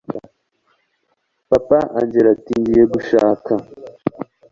papa angella ati ngiye gushaka